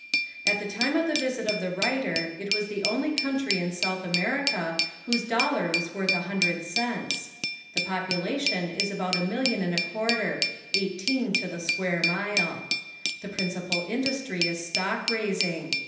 At the time of the visit of the writer it was the only country in South America whose dollar was worth a hundred cents. The population is about a million and a quarter eighteen to the square mile. The principal industry is stock raising.